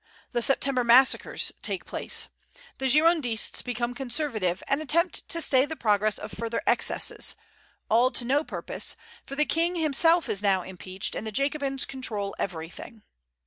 The September massacres take place. The Girondists become conservative, and attempt to stay the progress of further excesses, all to no purpose, for the King himself is now impeached, and the Jacobins control everything.